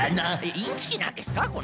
えっインチキなんですか？